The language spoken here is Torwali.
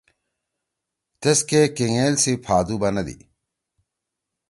تیسکے کینگیل سی پھادُو بندی۔